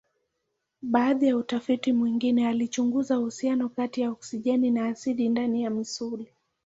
Baadhi ya utafiti mwingine alichunguza uhusiano kati ya oksijeni na asidi ndani ya misuli.